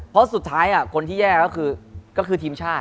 เพราะสุดท้ายคนที่แย่ก็คือทีมชาติ